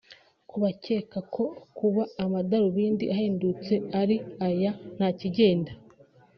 Ku bakeka ko kuba amadarundi ahendutse ari aya nta kigenda